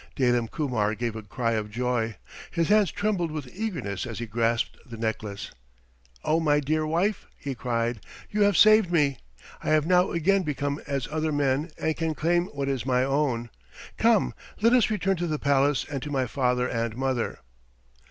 Dalim Kumar gave a cry of joy. His hands trembled with eagerness as he grasped the necklace. "Oh, my dear wife," he cried, "you have saved me. I have now again become as other men and can claim what is my own. Come! Let us return to the palace and to my father and mother."